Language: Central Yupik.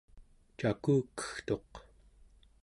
cakukegtuq